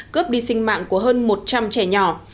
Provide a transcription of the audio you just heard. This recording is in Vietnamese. cướp đi sinh mạng của hơn một trăm linh trẻ nhỏ